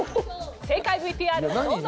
正解ＶＴＲどうぞ。